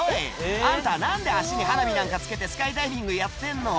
あんた何で足に花火なんかつけてスカイダイビングやってんの？